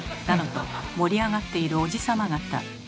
だのと盛り上がってるおじさま方。